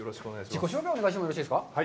自己紹介をお願いしてもよろしいですか。